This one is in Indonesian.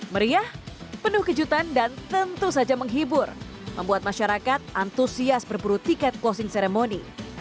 meriah penuh kejutan dan tentu saja menghibur membuat masyarakat antusias berburu tiket closing ceremony